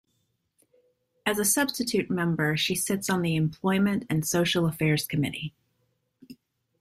As a substitute member she sits on the Employment and Social Affairs Committee.